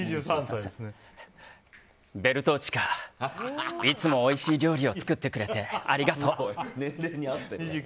ベルトーチカいつもおいしい料理を作ってくれて、ありがとう。